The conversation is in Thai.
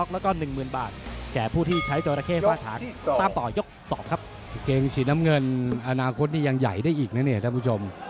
เกลียงสีน้ำเงินอนาคตนี่ยังใหญ่ได้อีกนะนี่ท่านผู้ชม